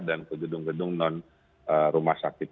dan ke gedung gedung non rumah sakit